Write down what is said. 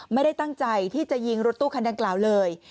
ไม่ได้ตั้งใจที่จะยิงรถตู้คันดังกล่าวเลย